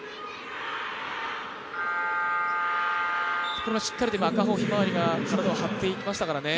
これはしっかり赤穂ひまわりが体を張っていきましたからね。